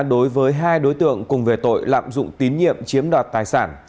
đối với hai đối tượng cùng về tội lạm dụng tín nhiệm chiếm đoạt tài sản